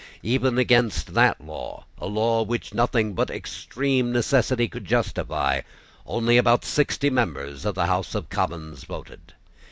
Even against that law, a law which nothing but extreme necessity could justify, only about sixty members of the House of Commons voted.